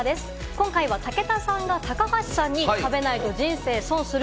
今回は武田さんが高橋さんに食べないと人生損する